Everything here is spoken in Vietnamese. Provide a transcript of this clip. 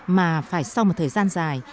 mà phải sau một thời gian dài